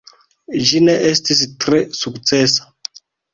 Ĝi ne estis tre sukcesa.